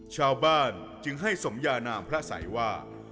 ชาวบ้านจึงให้สมยานามพระสัยว่า